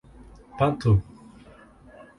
Patu